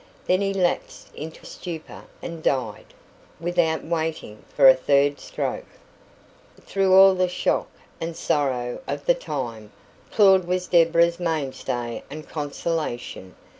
Then he lapsed into stupor and died, without waiting for a third stroke. Through all the shock and sorrow of the time, Claud was Deborah's mainstay and consolation.